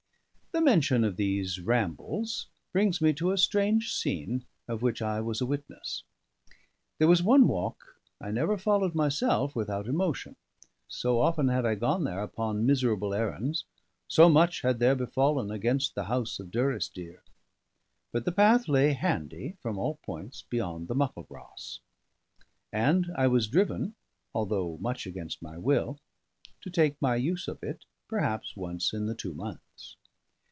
The mention of these rambles brings me to a strange scene of which I was a witness. There was one walk I never followed myself without emotion, so often had I gone there upon miserable errands, so much had there befallen against the house of Durrisdeer. But the path lay handy from all points beyond the Muckle Ross; and I was driven, although much against my will, to take my use of it perhaps once in the two months.